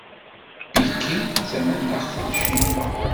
Pekin d tamaneɣt n Ccinwa.